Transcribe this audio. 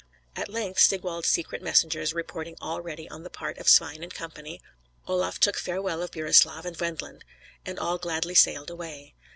At length, Sigwald's secret messengers reporting all ready on the part of Svein & Co., Olaf took farewell of Burislav and Wendland, and all gladly sailed away.